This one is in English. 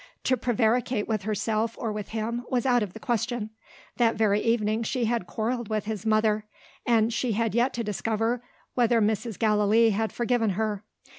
To prevaricate with herself or with him was out of the question. That very evening she had quarrelled with his mother; and she had yet to discover whether Mrs. Gallilee had forgiven her.